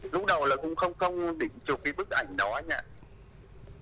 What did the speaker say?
lúc đầu là cũng không định chụp cái bức ảnh đó nhỉ